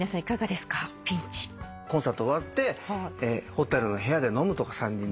コンサート終わってホテルの部屋で飲むとか３人で。